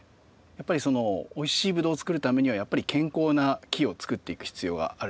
やっぱりおいしいブドウをつくるためにはやっぱり健康な木をつくっていく必要があるんですね。